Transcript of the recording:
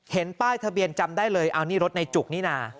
ป้ายทะเบียนจำได้เลยเอานี่รถในจุกนี่นะ